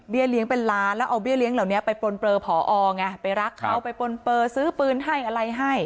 เลี้ยงเป็นล้านแล้วเอาเบี้เลี้ยเหล่านี้ไปปลนเปลือผอไงไปรักเขาไปปนเปลือซื้อปืนให้อะไรให้